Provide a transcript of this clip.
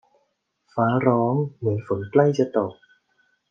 ฟ้าร้องเหมือนฝนใกล้จะตก